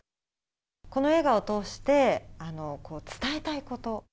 この映画を通して、伝えたいこと。